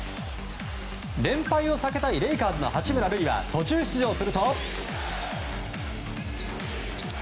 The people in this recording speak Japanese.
連敗を避けたいレイカーズの八村塁は途中出場すると。